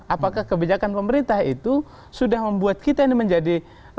apakah kebijakan pemerintah itu sudah membuat kita ini menjadi